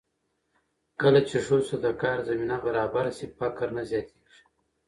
کله چې ښځو ته د کار زمینه برابره شي، فقر نه زیاتېږي.